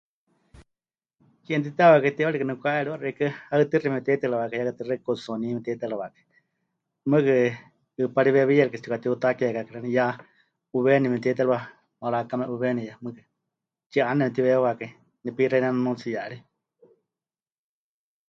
Ke mɨtitewakai teiwarikɨ nepɨkaha'eriwa xeikɨ́a Haɨtɨxi mepɨte'iterɨwakai ya katixaɨ Kutsuní mepɨté'iterɨwakai, mɨɨkɨ 'ɨɨpari weewiyarikɨ tsipɨkatiutakekakai, 'iyá 'uweni memɨte'itérɨwa, mara'aakame 'uwenieya mɨɨkɨ, tsi 'áneneme pɨtiweewiwakai, nepixei ne nunuutsiyari.